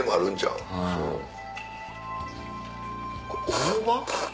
大葉？